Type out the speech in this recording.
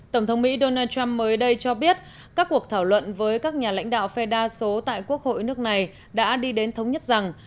tổng thống mỹ donald trump mới đây cho biết các cuộc thảo luận với các nhà lãnh đạo phe đa số tại quốc hội nước này đã đi đến thống nhất rằng